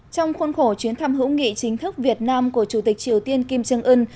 trong khuôn khổ chuyến thăm hữu nghị chính thức việt nam của chủ tịch triều tiên kim trương ưn